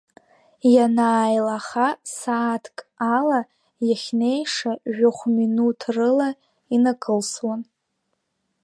Ианааилаха, сааҭк ала иахьнеиша жәохә минуҭ рыла инакылсуан.